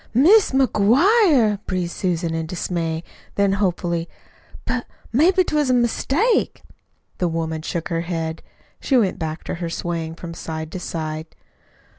"MIS' MCGUIRE!" breathed Susan in dismay; then hopefully, "But maybe 'twas a mistake." The woman shook her head. She went back to her swaying from side to side.